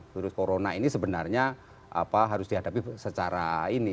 suruh corona ini sebenarnya apa harus dihadapi secara ini